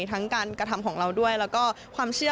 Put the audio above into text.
ทั้งการกระทำของเราด้วยแล้วก็ความเชื่อ